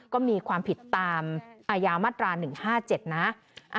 ก็มีความผิดตามอม๑๕๗นะ